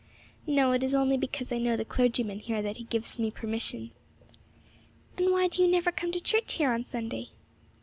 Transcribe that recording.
'No; it is only because I know the clergyman here that he gives me permission.' 'And why do you never come to church here on Sunday?'